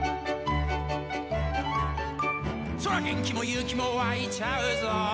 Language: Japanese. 「そら元気も勇気もわいちゃうぞ」